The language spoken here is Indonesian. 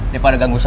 daripada ganggu saya